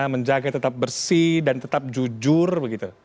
menjaga tetap bersih dan tetap jujur begitu